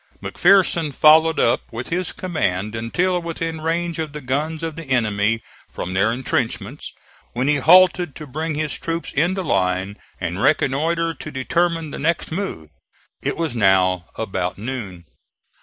McPherson followed up with his command until within range of the guns of the enemy from their intrenchments, when he halted to bring his troops into line and reconnoitre to determine the next move. It was now about noon.